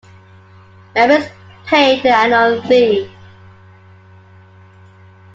Members paid an annual Fee.